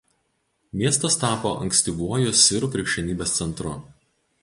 Miestas tapo ankstyvuoju sirų krikščionybės centru.